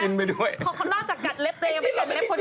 เพราะนอกจากกัดเล็บในตอนนี้